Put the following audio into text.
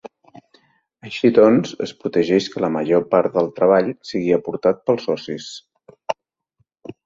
Així doncs es protegeix que la major part del treball sigui aportat pels socis.